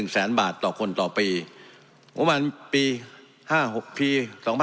แสนบาทต่อคนต่อปีงบประมาณปี๕๖ปี๒๕๖๒